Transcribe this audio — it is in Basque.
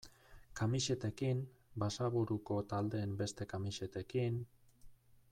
Kamisetekin, Basaburuko taldeen beste kamisetekin...